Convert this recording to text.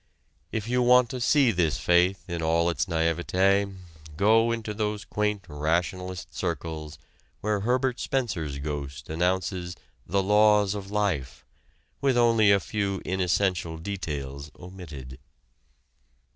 If you want to see this faith in all its naïveté go into those quaint rationalist circles where Herbert Spencer's ghost announces the "laws of life," with only a few inessential details omitted.